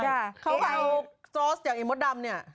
เขาเอาโจ๊สอย่างไอ้มดดำเนี่ย